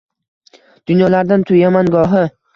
Dunyolardan tuyaman gohi